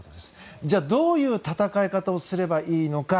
じゃあどういう戦い方をすればいいのか。